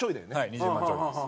２０万ちょいです。